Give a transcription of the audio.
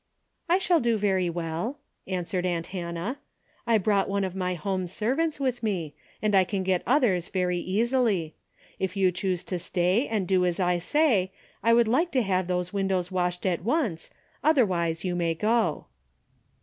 " I shall do very Avell," answered aunt Hannah. "I brought one of my home serv ants with me, and I can get others very easily. If you choose to stay and do as I say I would like to have those windows washed at once, otherwise you may go."